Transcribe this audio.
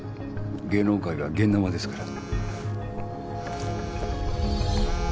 芸能界は現ナマですから。